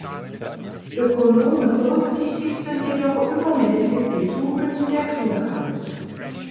Ökonomen berücksichtigten jedoch übermäßig die Tugend der Klugheit.